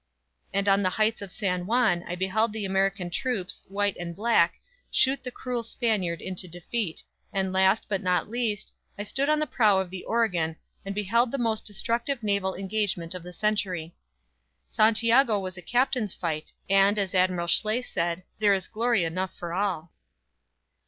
_ And on the heights of San Juan I beheld the American troops, white and black, shoot the cruel Spaniard into defeat, and last, but not least, I stood on the prow of the Oregon and beheld the most destructive naval engagement of the century. "Santiago was a captains' fight," and, as Admiral Schley said: "There is glory enough for all."